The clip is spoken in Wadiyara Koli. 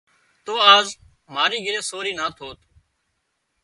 تو آز ماري گھري سورِي نا ٿوت